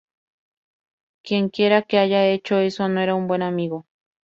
Quienquiera que haya hecho eso no era un buen amigo".